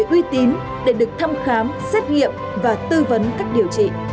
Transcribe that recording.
tuy tín để được thăm khám xét nghiệm và tư vấn các điều trị